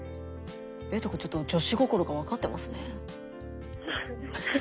えいとくんちょっと女子心が分かってますね。